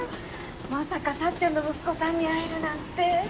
まさかさっちゃんの息子さんに会えるなんて。